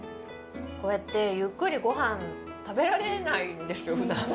こうやって、ゆっくりごはん食べられないんですよ、ふだん。